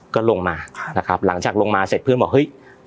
ก็ลงมานะครับหลังจากลงมาเสร็จเพื่อนบอกเฮ้ย